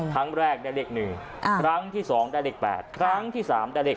ครั้งแรกได้เลข๑ครั้งที่๒ได้เลข๘ครั้งที่๓ได้เลข